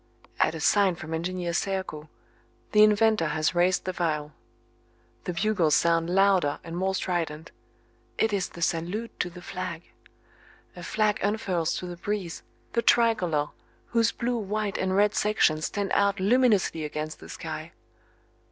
At a sign from Engineer Serko the inventor has raised the phial. The bugles sound louder and more strident. It is the salute to the flag. A flag unfurls to the breeze the tricolor, whose blue, white and red sections stand out luminously against the sky.